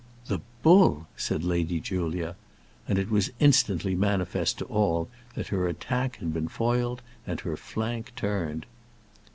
"The bull!" said Lady Julia. And it was instantly manifest to all that her attack had been foiled and her flank turned.